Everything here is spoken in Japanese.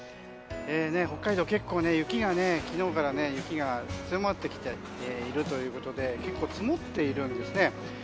北海道、結構昨日から雪が強まってきているということで結構、積もっているんですね。